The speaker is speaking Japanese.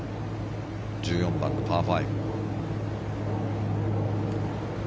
１４番のパー５。